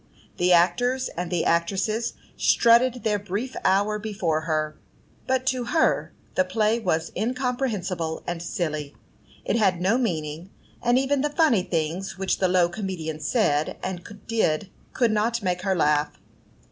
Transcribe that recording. The actors and the actresses strutted their brief hour before her; but to her the play was incomprehensible and silly. It had no meaning, and even the funny things which the low comedian said and did could not make her laugh.